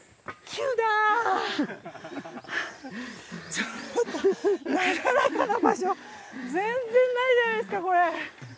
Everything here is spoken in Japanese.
ちょっとなだらかな場所全然ないじゃないですかこれ。